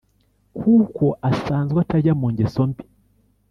kuko asanzwe atajya mu ngeso mbi